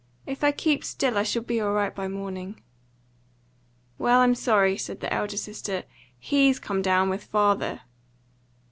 If I keep still, I shall be all right by morning." "Well, I'm sorry," said the elder sister. "He's come down with father."